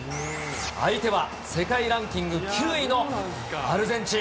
相手は世界ランキング９位のアルゼンチン。